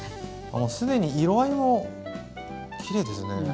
あもう既に色合いもきれいですね！